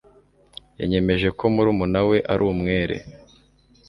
Yanyemeje ko murumuna we ari umwere